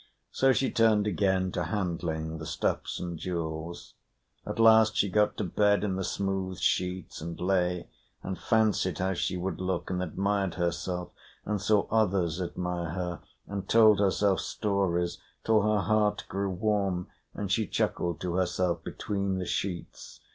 So she turned again to handling the stuffs and jewels. At last she got to bed in the smooth sheets, and lay, and fancied how she would look, and admired herself, and saw others admire her, and told herself stories, till her heart grew warm and she chuckled to herself between the sheets.